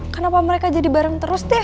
kenapa mereka jadi bareng terus deh